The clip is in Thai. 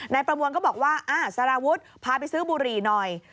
ประมวลก็บอกว่าสารวุฒิพาไปซื้อบุหรี่หน่อย